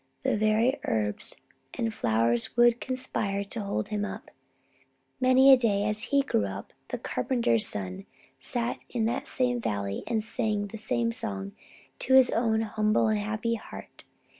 The very herbs and flowers here would conspire to hold him up. Many a day, as He grew up, the carpenter's son sat in that same valley and sang that same song to His own humble and happy heart.